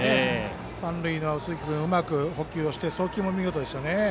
三塁の鈴木君、うまく捕球して送球も見事でした。